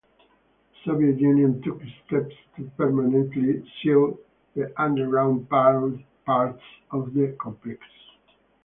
The Soviet Union took steps to permanently seal the underground parts of the complex.